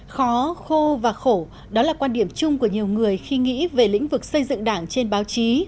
khó khô và khổ đó là quan điểm chung của nhiều người khi nghĩ về lĩnh vực xây dựng đảng trên báo chí